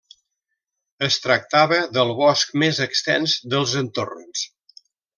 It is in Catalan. Es tractava del bosc més extens dels entorns.